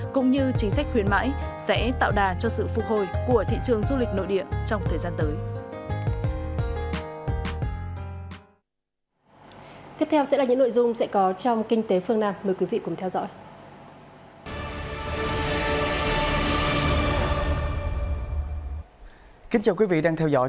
cũng như chính sách khuyến mãi sẽ tạo đà cho sự phục hồi của thị trường du lịch nội địa trong thời gian tới